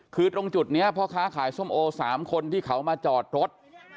คือตรงจุดนี้พ่อค้าขายส้มโอ๓คนที่เขามาจอดรถ